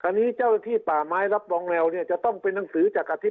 อันนี้เจ้าหน้าที่ป่าไม้รับรองเร็วเนี่ยจะต้องเป็นหนังสือจากอาทิตย